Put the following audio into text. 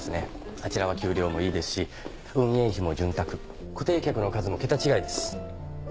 あちらは給料もいいですし運営費も潤沢固定客の数も桁違いです。